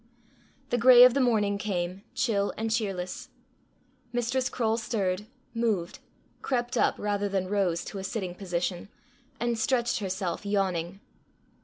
The gray of the morning came, chill and cheerless. Mistress Croale stirred, moved, crept up rather than rose to a sitting position, and stretched herself yawning.